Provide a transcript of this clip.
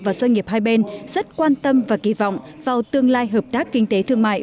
và doanh nghiệp hai bên rất quan tâm và kỳ vọng vào tương lai hợp tác kinh tế thương mại